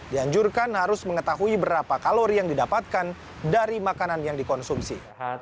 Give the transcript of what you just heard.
dianjurkan harus mengetahui berapa kalori yang didapatkan dari makanan yang dikonsumsi